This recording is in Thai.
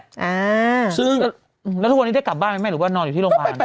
อ่าซึ่งแล้วทุกวันนี้ได้กลับบ้านไหมแม่หรือว่านอนอยู่ที่โรงพยาบาล